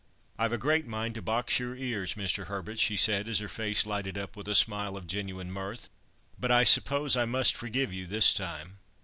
"I've a great mind to box your ears, Mr. Herbert!" she said, as her face lighted up with a smile of genuine mirth, "but I suppose I must forgive you this time.